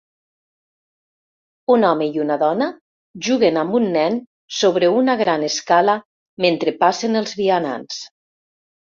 Un home i una dona juguen amb un nen sobre una gran escala mentre passen els vianants